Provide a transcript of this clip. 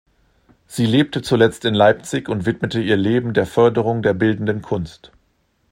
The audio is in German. Sie lebte zuletzt in Leipzig und widmete ihr Leben der Förderung der bildenden Kunst.